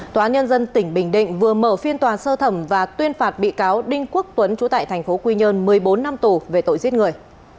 tòa nhân dân tỉnh bình định vừa mở phiên tòa sơ thẩm và tuyên phạt bị cáo đinh quốc tuấn trú tại tp quy nhơn một mươi bốn năm tù về tội giết người